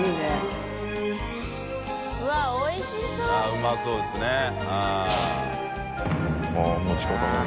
うまそうですね。